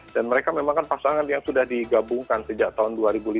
dan mereka memang kan pasangan yang sudah digabungkan sejak tahun dua ribu lima belas